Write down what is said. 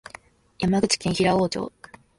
山口県平生町